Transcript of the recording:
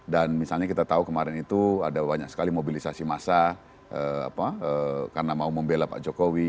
dan misalnya kita tahu kemarin itu ada banyak sekali mobilisasi massa karena mau membela pak jokowi